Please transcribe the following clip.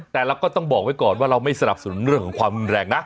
แต่เราก็ต้องบอกไว้ก่อนว่าเราไม่สนับสนุนเรื่องของความรุนแรงนะ